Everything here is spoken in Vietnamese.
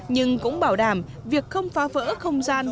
nhưng cũng bảo đảm việc không phá vỡ không gian